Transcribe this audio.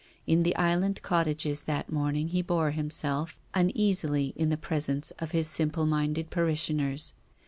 In the Island cot tages that morning he bore himself uneasily in the presence of his simple minded parishioners.